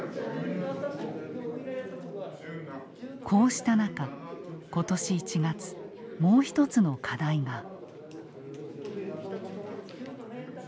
こうした中今年１月もう一つの課題が。